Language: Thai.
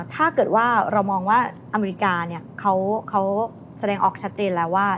ถ้าเกิดว่าเรามองว่าอเมริกาเขาแสดงออกชัดเจนแล้วว่า